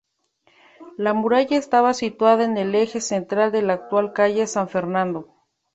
La muralla estaba situada en el eje central de la actual calle San Fernando.